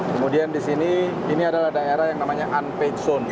kemudian di sini ini adalah daerah yang namanya unpaid zone